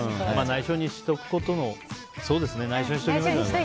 内緒にしておきましょう。